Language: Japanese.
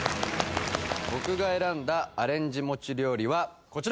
僕が選んだアレンジ餅料理はこちら！